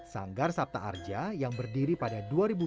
sanggar sapta arja yang berdiri pada dua ribu dua belas